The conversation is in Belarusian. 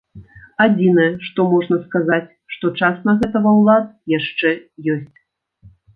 Адзінае, што можна сказаць, што час на гэта ва ўлад яшчэ ёсць.